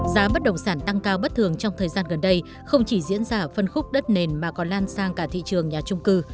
giá bất động sản tăng cao bất thường trong thời gian gần đây không chỉ diễn ra phân khúc đất nền mà còn lan sang cả thị trường nhà trung cư